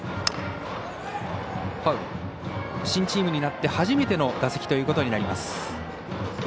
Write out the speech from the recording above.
新チームになって初めての打席ということになります。